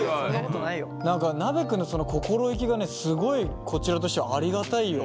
なべくんのその心意気がねすごいこちらとしてはありがたいよ。